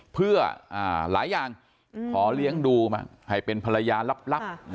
เพื่อหลายอย่างขอเลี้ยงดูมาให้เป็นภรรยาลับ